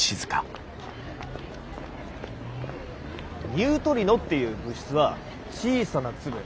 ニュートリノっていう物質は小さな粒。